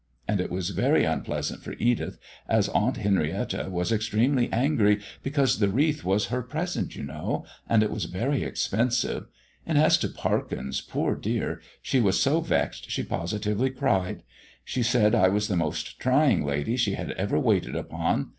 And it was very unpleasant for Edith, as Aunt Henrietta was extremely angry, because the wreath was her present, you know, and it was very expensive; and as to Parkins, poor dear, she was so vexed she positively cried. She said I was the most trying lady she had ever waited upon.